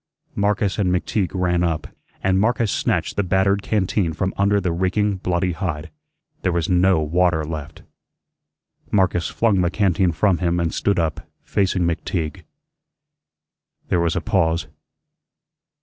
Marcus and McTeague ran up, and Marcus snatched the battered canteen from under the reeking, bloody hide. There was no water left. Marcus flung the canteen from him and stood up, facing McTeague. There was a pause.